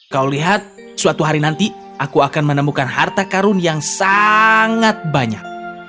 kau lihat suatu hari nanti aku akan menemukan harta karun yang sangat banyak